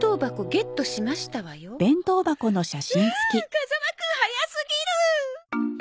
風間くん早すぎる！